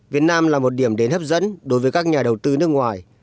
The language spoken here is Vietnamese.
việt nam là một điểm đến hấp dẫn đối với các nhà đầu tư nước ngoài